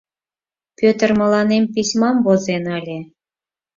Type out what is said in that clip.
Пӧтыр мыланем письмам возен ыле.